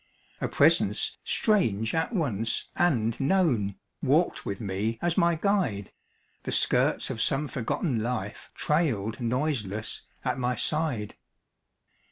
A presence, strange at once and known, Walked with me as my guide; The skirts of some forgotten life Trailed noiseless at my side.